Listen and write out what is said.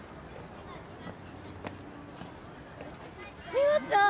美和ちゃん？